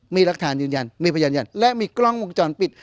มีรักฐานยืนยันมีพยานยันและมีกล้องวงจรปิด